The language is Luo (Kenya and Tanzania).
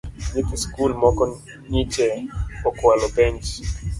Nyithi skul moko nyiche okwalo penj